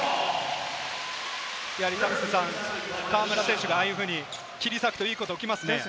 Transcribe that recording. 河村選手が、ああいうふうに切り裂くといいことが起きますね。